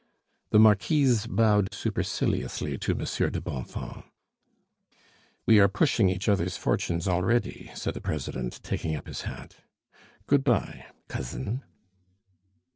The marquise bowed superciliously to Monsieur de Bonfons. "We are pushing each other's fortunes already," said the president, taking up his hat. "Good by, cousin."